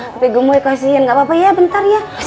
tapi gemoy kasian gapapa ya bentar ya